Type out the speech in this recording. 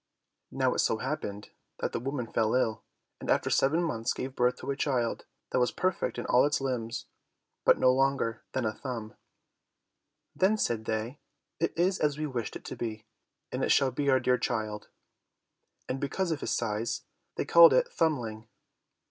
Now it so happened that the woman fell ill, and after seven months gave birth to a child, that was perfect in all its limbs, but no longer than a thumb. Then said they, "It is as we wished it to be, and it shall be our dear child;" and because of its size, they called it Thumbling.